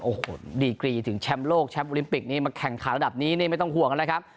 โอ้โหดีกรีถึงแชมป์โลกแชมป์โอลิมปิกนี้มาแข่งขันระดับนี้นี่ไม่ต้องห่วงนะครับ